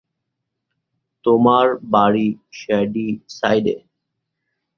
তোমার বাড়ি শ্যাডিসাইডে!